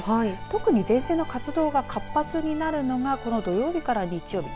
特に前線の活動が活発になるのがこの土曜日から日曜日